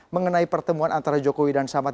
mengenai pertemuan antara jokowi dan samad